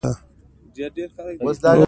د جوزجان په درزاب کې ګاز شته.